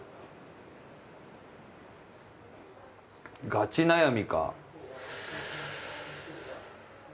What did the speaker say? ガチ悩み？